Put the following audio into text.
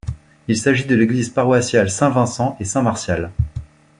Il s'agit de l'église paroissiale Saint-Vincent et Saint-Martial.